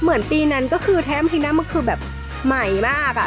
เหมือนปีนั้นก็คือแท้จริงมันคือแบบใหม่มากอะ